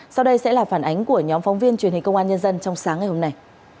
sau đây sẽ là phản ánh của nhóm phóng viên truyền hình công an nhân dân trong sáng ngày hôm nay